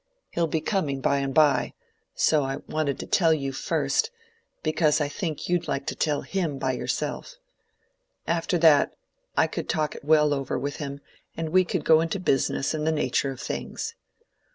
He'll be coming by and by, so I wanted to tell you first, because I think you'd like to tell him by yourselves. After that, I could talk it well over with him, and we could go into business and the nature of things."